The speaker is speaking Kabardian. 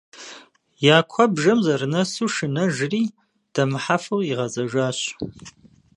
Я куэбжэм зэрынэсу, шынэжри, дэмыхьэфу къигъэзэжащ.